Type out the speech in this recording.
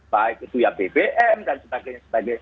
baik itu ya bbm dan sebagainya sebagainya